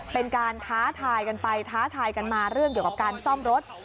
เป็นการท้าทายกันไปท้าทายกันมาเรื่องเกี่ยวกับการซ่อมรถ